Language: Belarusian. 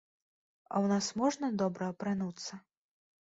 А ў нас можна добра апрануцца?